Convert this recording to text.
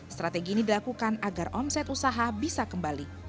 strategi ini dilakukan agar omset usaha bisa kembali